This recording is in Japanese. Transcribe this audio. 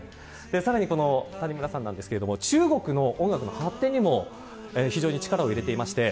さらに、谷村さんですけど中国の音楽の発展にも非常に力を入れていました。